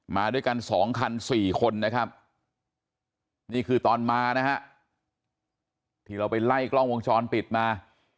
มาด้วยกัน๒คัน๔คนนะครับนี่คือตอนมานะฮะที่เราไปไล่กล้องวงจรปิดมา